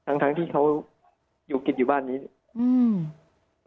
ทั้งทั้งที่เขาอยู่กินอยู่บ้านนี้อืม